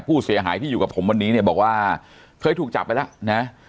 ผู้เสียหายที่อยู่กับผมวันนี้เนี่ยบอกว่าเคยถูกจับไปแล้วนะ